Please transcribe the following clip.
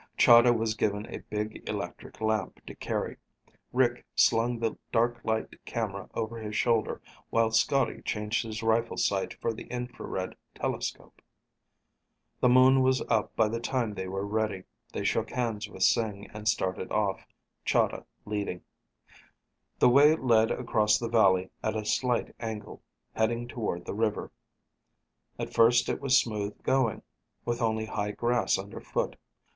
Chahda was given a big electric lamp to carry. Rick slung the dark light camera over his shoulder while Scotty changed his rifle sight for the infrared telescope. The moon was up by the time they were ready. They shook hands with Sing and started off, Chahda leading. The way led across the valley at a slight angle, heading toward the river. At first it was smooth going, with only high grass underfoot.